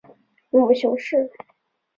母熊氏。